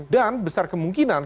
dan besar kemungkinan